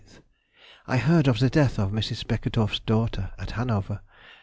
_—I heard of the death of Mrs. Beckedorff's daughter, at Hanover.